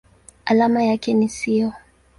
Alama yake ni SiO.